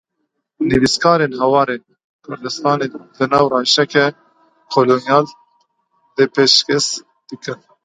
Nivîskarên Hawarê Kurdistanê di nav rewşeke kolonyal de pêşkêş dikin.